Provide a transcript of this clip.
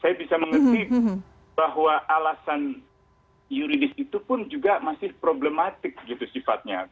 saya bisa mengerti bahwa alasan yuridis itu pun juga masih problematik gitu sifatnya